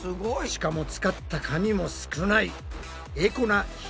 しかも使った紙も少ない。